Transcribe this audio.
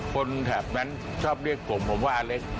แถบนั้นชอบเรียกผมผมว่าอเล็กซ์